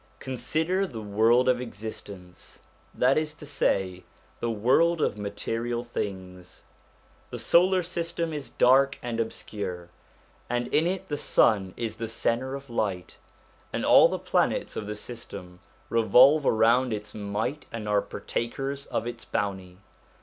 Consider the world of existence, that is to say, the world of material things. The solar system is dark and obscure, and in it the sun is the centre of light, and all the planets of the system revolve around its might and are partakers of its bounty.